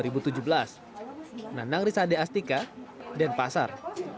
menandang risade astika dan pasar